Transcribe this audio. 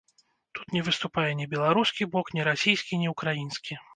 Тут не выступае ні беларускі бок, ні расійскі, ні ўкраінскі.